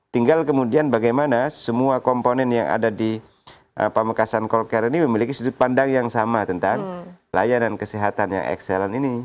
tinggal kemudian bagaimana semua komponen yang ada di pamekasan call care ini memiliki sudut pandang yang sama tentang layanan kesehatan yang excellent ini